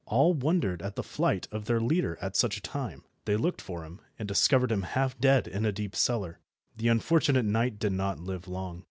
All wondered at the flight of their leader at such a time. They looked for him, and discovered him half dead in a deep cellar. The unfortunate knight did not live long.